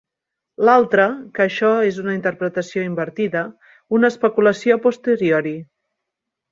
L'altre, que això és una interpretació invertida, una especulació a posteriori.